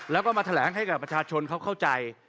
แล้วก็มาแถลงให้กับประชาชนเขาเข้าใจ